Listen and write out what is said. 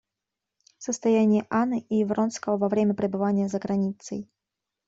Состояние Анны и Вронского во время пребывания за границей.